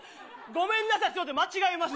ごめんなさい間違えました。